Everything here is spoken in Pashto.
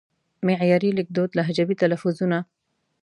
معیاري لیکدود لهجوي تلفظونه